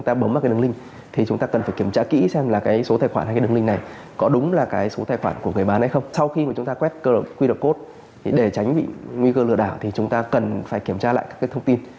thì chúng ta cần phải kiểm tra lại các cái thông tin